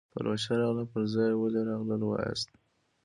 پلوشه راغله پر ځای ولې راغلل وایاست.